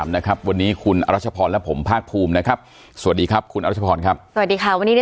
นะครับวันนี้คุณอรัชพรและผมภาคภูมินะครับสวัสดีครับคุณอรัชพรครับสวัสดีค่ะวันนี้